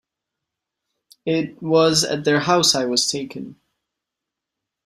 It was at their house I was taken.